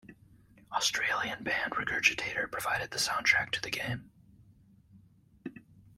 Australian band Regurgitator provided the soundtrack to the game.